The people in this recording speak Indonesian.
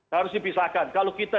harus dipisahkan kalau kita